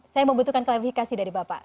saya membutuhkan klarifikasi dari bapak